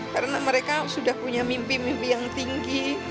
karena mereka sudah punya mimpi mimpi yang tinggi